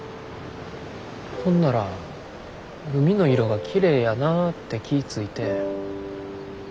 ほんなら海の色がきれいやなって気ぃ付いて。